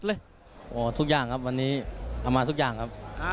ทุกอย่างครับวันนี้เอามาทุกอย่างครับ